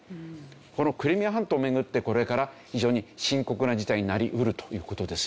このクリミア半島をめぐってこれから非常に深刻な事態になり得るという事ですよね。